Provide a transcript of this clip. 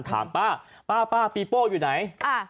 ถามป้าป้าป้าปีโป้อยู่ไหนอ่า